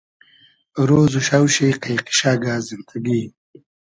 رۉز و شاو شی قݷ قیشئگۂ زیندئگی